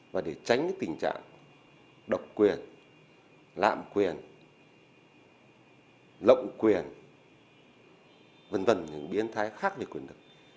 và để tránh tình trạng độc quyền lạm quyền lộng quyền v v những biến thái khác về quyền lực